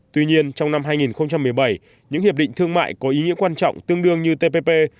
tuy nhiên trong năm hai nghìn một mươi bảy những hiệp định thương mại có ý nghĩa quan trọng tương đương như tpp